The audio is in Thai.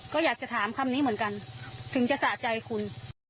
ก็อยากจะถามคำนี้เหมือนกันถึงจะสะใจคุณ